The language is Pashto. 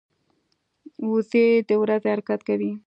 وزې د ورځي حرکت کوي